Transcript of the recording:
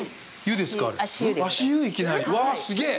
うわ、すげえ！